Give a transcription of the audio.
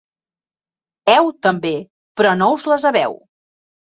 Heu, també, però no us les haveu.